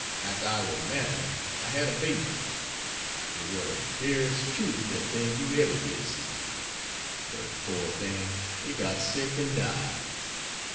Arter I war married, I had a baby. It war de dearest, cutest little thing you eber did see; but, pore thing, it got sick and died.